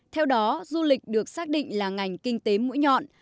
theo đó du lịch được xác định là ngành kinh tế mũi nhọn